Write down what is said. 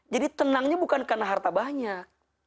jadi tenangnya bukan karena harta banyak